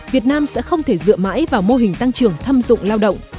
việt nam sẽ không thể dựa mãi vào mô hình tăng trưởng thâm dụng lao động